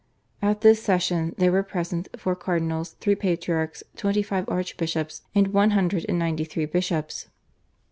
At this session there were present four cardinals, three patriarchs, twenty five archbishops and one hundred and ninety three bishops.